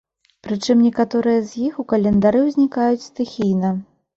Прычым некаторыя з іх у календары ўзнікаюць стыхійна.